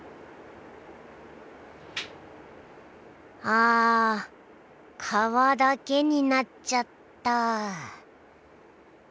あ皮だけになっちゃった。